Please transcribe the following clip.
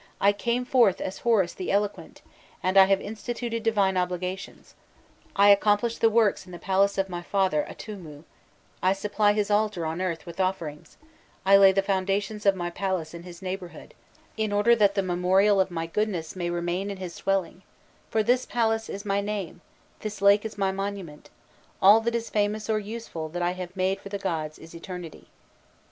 I came forth as Horus the eloquent, and I have instituted divine oblations; I accomplish the works in the palace of my father Atûmû, I supply his altar on earth with offerings, I lay the foundations of my palace in his neighbourhood, in order that the memorial of my goodness may remain in his dwelling; for this palace is my name, this lake is my monument, all that is famous or useful that I have made for the gods is eternity."